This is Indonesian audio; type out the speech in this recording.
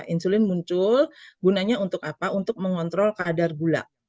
insulin muncul gunanya untuk apa untuk mengontrol kadar gula